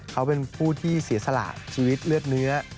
เขาเป็นผู้ที่เสียสละชีวิตเลือดเนื้อ